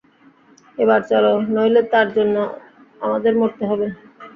এবার চলো নইলে তার জন্য আমাদের মরতে হবে।